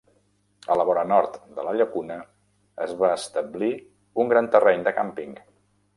A la vora nord de la llacuna es va establir un gran terreny de càmping.